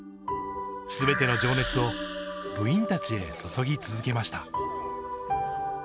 全ての情熱を部員たちへ注ぎ続けました。